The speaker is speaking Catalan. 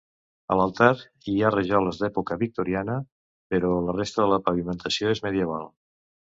A l'altar hi ha rajoles d'època victoriana, però la resta de la pavimentació és medieval.